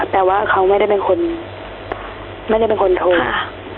แต่ว่าเค้าไม่ได้เป็นคนโทร